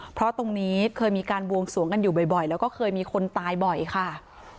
เพราะตรงนี้เคยมีการบวงสวงกันอยู่บ่อยแล้วก็เคยมีคนตายบ่อยค่ะ